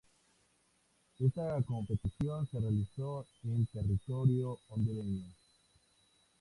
Esta competición se realizó en territorio hondureño.